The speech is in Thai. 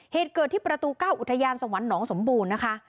เหตุเกิดที่ประตู๙อุทยานสวรรค์หนองสมบูรณ์นะคะ